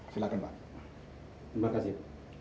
silakan pak terima kasih